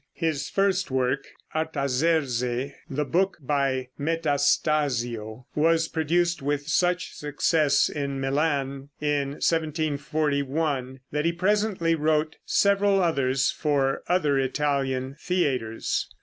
His first work, "Artaserse," the book by Metastasio, was produced with such success in Milan, in 1741, that he presently wrote several others for other Italian theaters.